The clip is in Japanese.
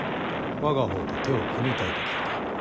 我が方と手を組みたいと聞いた。